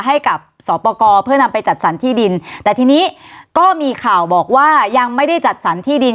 ให้กับสอบประกอบเพื่อนำไปจัดสรรที่ดินแต่ทีนี้ก็มีข่าวบอกว่ายังไม่ได้จัดสรรที่ดิน